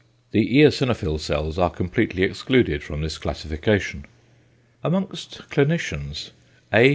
The eosinophil cells are completely excluded from this classification. Amongst clinicians A.